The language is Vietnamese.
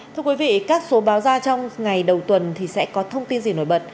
thưa quý vị các số báo ra trong ngày đầu tuần sẽ có thông tin gì nổi bật